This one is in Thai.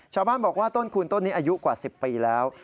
ชาวบ้านบอกว่าต้นคูณต้นนี้อายุกว่า๑๐ปีแล้ว